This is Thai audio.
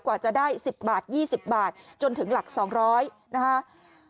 กว่าจะได้๑๐บาท๒๐บาทจนถึงหลัก๒๐๐นะคะ